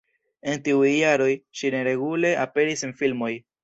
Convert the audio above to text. En tiuj jaroj, ŝi neregule aperis en filmoj.